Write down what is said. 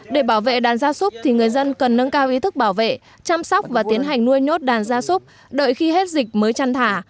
để bảo vệ đàn gia súc thì người dân cần nâng cao ý thức bảo vệ chăm sóc và tiến hành nuôi nhốt đàn gia súc đợi khi hết dịch mới chăn thả